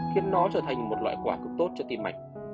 khiến nó trở thành một loại quả cực tốt cho tim mạch